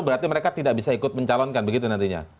berarti mereka tidak bisa ikut mencalonkan begitu nantinya